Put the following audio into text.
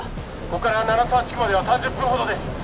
ここから七沢地区までは３０分ほどです